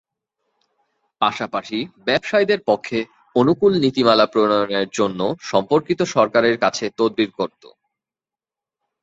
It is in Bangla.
পাশাপাশি ব্যবসায়ীদের পক্ষে অনুকূল নীতিমালা প্রণয়নের জন্য সম্পর্কিত সরকারের কাছে তদবির করত।